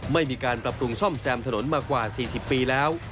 ไม่มีการปรับปรุงซ่อมแซมถนนมากว่า๔๐ปีแล้ว